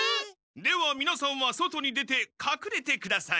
ではみなさんは外に出て隠れてください。